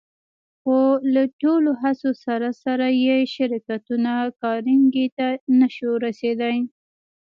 خو له ټولو هڅو سره سره يې شرکتونه کارنګي ته نه شوای رسېدای.